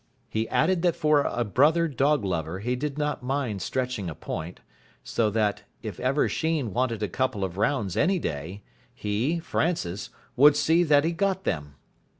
He added that for a brother dog lover he did not mind stretching a point, so that, if ever Sheen wanted a couple of rounds any day, he, Francis, would see that he got them.